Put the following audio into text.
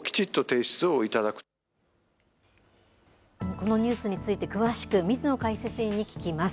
このニュースについて詳しく、水野解説委員に聞きます。